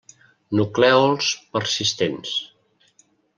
Nuclèols persistents.